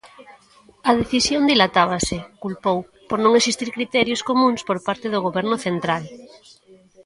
A decisión dilatábase, culpou, por non existir criterios "comúns" por parte do Goberno central.